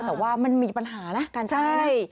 แต่ว่ามันมีปัญหานะการใช้